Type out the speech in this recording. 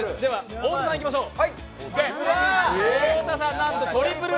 太田さん、いきましょう。